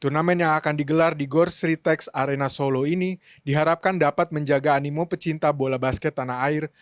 turnamen yang akan digelar di gor sritex arena solo ini diharapkan dapat menjaga animo pecinta bola basket tanah air